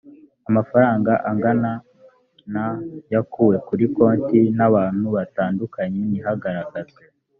amafaranga angana na yakuwe kuri konti n abantu batandukanye ntihagaragazwe